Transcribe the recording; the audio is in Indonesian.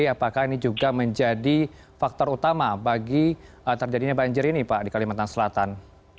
apakah ini juga menjadi faktor utama bagi terjadinya banjir ini pak di kalimantan selatan